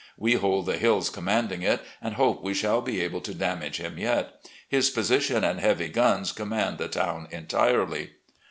We hold the hills commanding it, and hope we shall be able to damage him yet. His position and heavy guns command the town entirely."